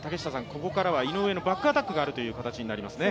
ここからは井上のバックアタックがあるという形になりますね。